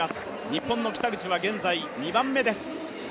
日本の北口は現在２番目です。